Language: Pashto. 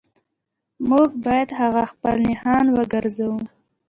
موږ باید هغه خپل نښان وګرځوو